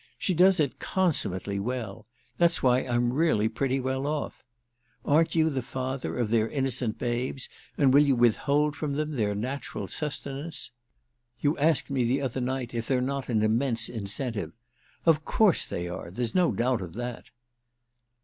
She does it consummately well—that's why I'm really pretty well off. Aren't you the father of their innocent babes, and will you withhold from them their natural sustenance? You asked me the other night if they're not an immense incentive. Of course they are—there's no doubt of that!"